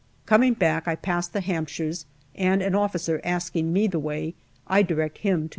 Coming back, I pass the Hampshires, and an officer asking me the way, I direct him to H.